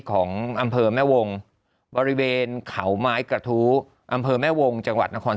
ของอำเภอแม่วงบริเวณเขาไม้กระทู้อำเภอแม่วงจังหวัดนคร